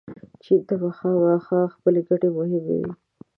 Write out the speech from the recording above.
چین ته به خامخا خپلې ګټې مهمې وي.